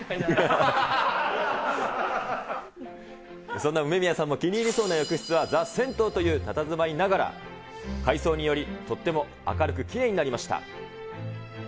そんな梅宮さんも気に入りそうな浴室は、ザ・銭湯というたたずまいながら、改装により、とっても明るく、きれいになりました。